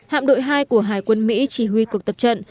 hạm đội hai của hải quân mỹ chỉ huy cuộc tập trận